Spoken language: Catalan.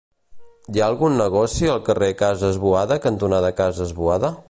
Hi ha algun negoci al carrer Cases Boada cantonada Cases Boada?